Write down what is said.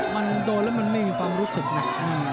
มันโดนแล้วมันไม่มีความรู้สึกหนัก